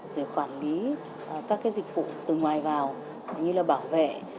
rồi quản lý các cái dịch vụ từ ngoài vào như là bảo vệ